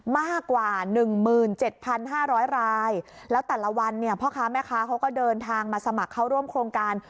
มากกว่า๑๗๕๐๐รายแล้วแต่ละวันเนี่ยพ่อค้าแม่ค้าเขาก็เดินทางมาสมัครเข้าร่วมโครงการ